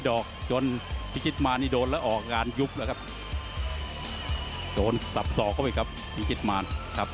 โอ้โฮสับสอบเข้าไปครับฟิงกิตมาน